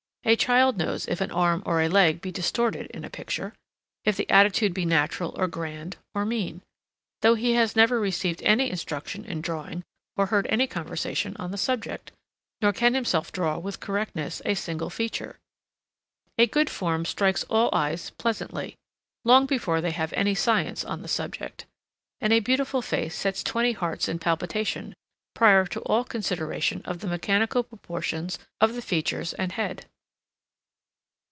A child knows if an arm or a leg be distorted in a picture; if the attitude be natural or grand or mean; though he has never received any instruction in drawing or heard any conversation on the subject, nor can himself draw with correctness a single feature. A good form strikes all eyes pleasantly, long before they have any science on the subject, and a beautiful face sets twenty hearts in palpitation, prior to all consideration of the mechanical proportions of the features and head.